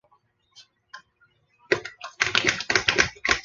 他们也分析出自己所在的位置。